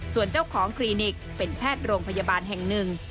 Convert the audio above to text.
ส่วนเจ้าของคลินิกเป็นแพทย์โรงพยาบาลแห่งหนึ่ง